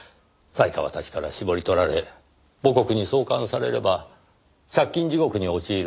犀川たちから搾り取られ母国に送還されれば借金地獄に陥る人たちを。